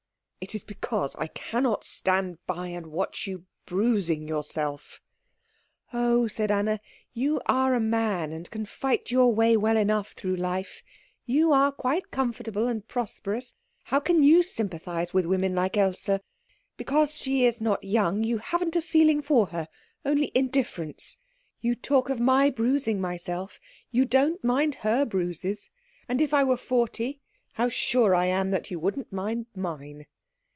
"It is because I cannot stand by and watch you bruising yourself." "Oh," said Anna, "you are a man, and can fight your way well enough through life. You are quite comfortable and prosperous. How can you sympathise with women like Else? Because she is not young you haven't a feeling for her only indifference. You talk of my bruising myself you don't mind her bruises. And if I were forty, how sure I am that you wouldn't mind mine."